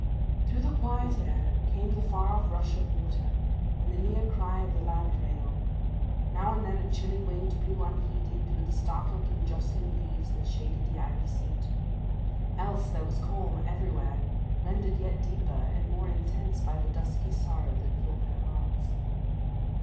Through the quiet air came the far off rush of water, and the near cry of the land rail. Now and then a chilly wind blew unheeded through the startled and jostling leaves that shaded the ivy seat. Else, there was calm everywhere, rendered yet deeper and more intense by the dusky sorrow that filled their hearts.